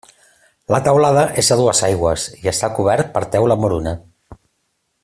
La teulada és a dues aigües i està cobert per teula moruna.